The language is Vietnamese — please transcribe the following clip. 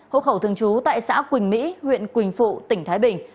hộ khẩu thường trú tại xã quỳnh mỹ huyện quỳnh phụ tỉnh thái bình